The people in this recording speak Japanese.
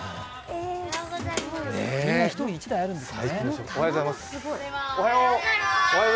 今、１人１台あるんですね。